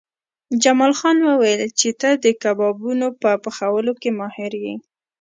جمال خان وویل چې ته د کبابونو په پخولو کې ماهر یې